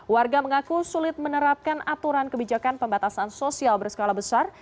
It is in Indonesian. warga mengaku sulit menerapkan aturan kebijakan pembatasan sosial berskala besar